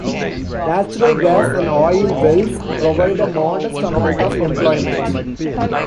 Natural gas and oil wells provide a modest amount of employment.